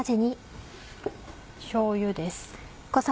しょうゆです。